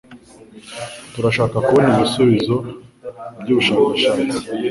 Turashaka kubona ibisubizo byubushakashatsi.